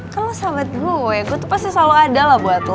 kalau sahabat gue gue tuh pasti selalu ada lah buat lo